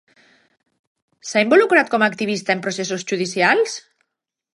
S'ha involucrat com a activista en processos judicials?